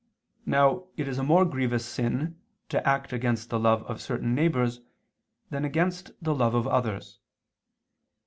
Now it is a more grievous sin to act against the love of certain neighbors, than against the love of others.